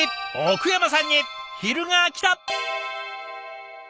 奥山さんに昼がきた！